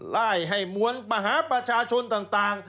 ไล่ให้มวลมหาประชาชนต่าง